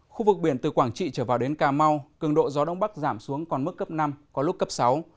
khu vực biển từ quảng trị trở vào đến cà mau cường độ gió đông bắc giảm xuống còn mức cấp năm có lúc cấp sáu